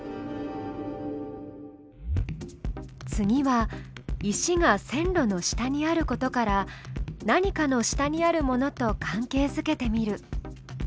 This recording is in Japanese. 次は石が線路の下にあることから何かの下にあるものと関係づけてみる。